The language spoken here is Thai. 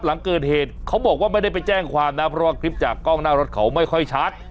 หลังเกิดเหตุเขาบอกว่าไม่ได้ไปแจ้งความนะเพราะว่าคลิปจากกล้องหน้ารถเขาไม่ค่อยชัด